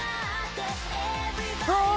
ああ！